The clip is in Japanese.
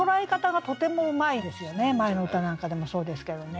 前の歌なんかでもそうですけどね。